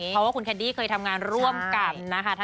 เพราะว่าคุณแคนดี้เคยทำงานร่วมกันนะคะ